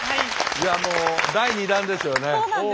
いやもう第２弾ですよね。